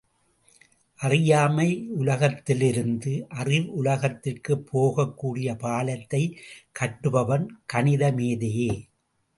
அறியாமை யுலகத்திலிருந்து, அறிவுலகத்திற்குப் போகக்கூடிய பாலத்தைக் கட்டுபவன் கணிதமேதையே!